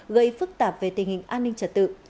gây phức tạp về tình hình an ninh trật tự